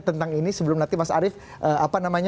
tentang ini sebelum nanti mas arief